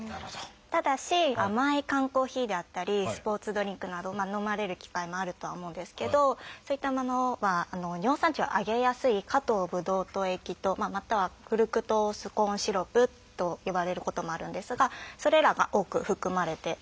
ただし甘い缶コーヒーであったりスポーツドリンクなど飲まれる機会もあるとは思うんですけどそういったものは尿酸値を上げやすい「果糖ぶどう糖液糖」または「フルクトースコーンシロップ」と呼ばれることもあるんですがそれらが多く含まれております。